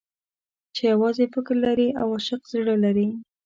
چې يوازې فکر لري او عاشق زړه لري.